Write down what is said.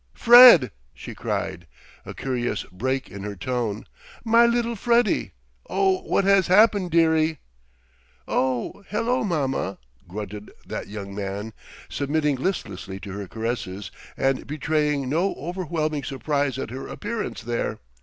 "Fred!" she cried, a curious break in her tone. "My little Freddie! Oh, what has happened, dearie?" "Oh, hello, Mamma," grunted that young man, submitting listlessly to her caresses and betraying no overwhelming surprise at her appearance there.